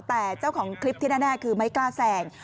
แต่เจ้าของคลิปที่แน่คือไม่กล้าแสง